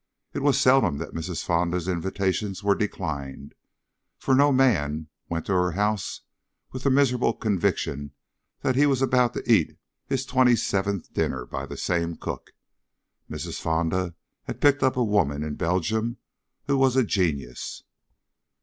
It was seldom that Mrs. Fonda's invitations were declined, for no man went to her house with the miserable conviction that he was about to eat his twenty seventh dinner by the same cook. Mrs. Fonda had picked up a woman in Belgium who was a genius.